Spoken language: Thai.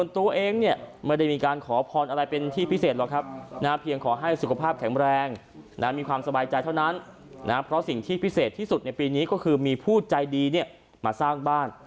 ที่สุดในปีนี้ก็คือมีผู้ใจดีมาสร้างบ้าน